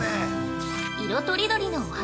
◆色とりどりのお花。